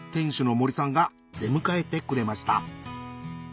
が出迎えてくれました